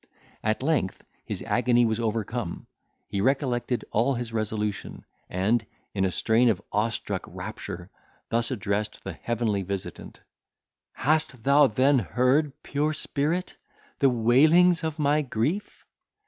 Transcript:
At length his agony was overcome. He recollected all his resolution, and, in a strain of awestruck rapture, thus addressed the heavenly visitant: "Hast thou then heard, pure spirit! the wailings of my grief?